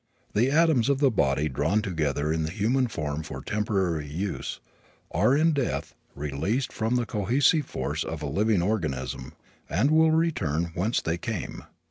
The atoms of the body, drawn together in the human form for temporary use, are, in death, released from the cohesive force of a living organism and will return whence they came.